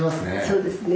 そうですね。